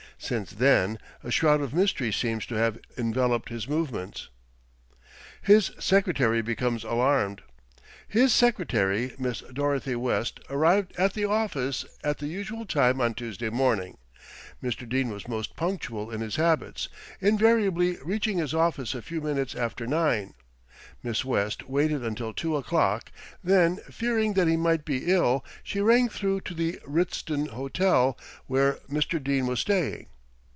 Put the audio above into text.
Since then a shroud of mystery seems to have enveloped his movements. ~HIS SECRETARY BECOMES ALARMED~ "His Secretary, Miss Dorothy West, arrived at the office at the usual time on Tuesday morning. Mr. Dene was most punctual in his habits, invariably reaching his office a few minutes after nine. Miss West waited until two o'clock, then fearing that he might be ill, she rang through to the Ritzton Hotel, where Mr. Dene was staying.